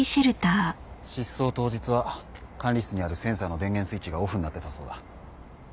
失踪当日は管理室にあるセンサーの電源スイッチがオフになってたそうだ。